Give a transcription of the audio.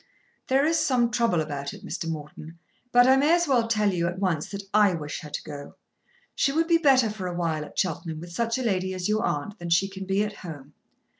"There is some trouble about it, Mr. Morton; but I may as well tell you at once that I wish her to go. She would be better for awhile at Cheltenham with such a lady as your aunt than she can be at home.